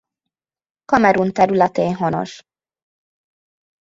Kamerun területén honos.